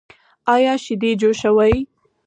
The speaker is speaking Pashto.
ایا شیدې جوشوئ؟